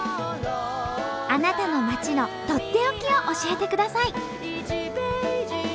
あなたの町のとっておきを教えてください。